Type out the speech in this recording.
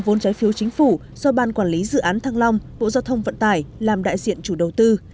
vốn trái phiếu chính phủ do ban quản lý dự án thăng long bộ giao thông vận tải làm đại diện chủ đầu tư